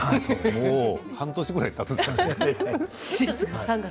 もう半年ぐらいたつ。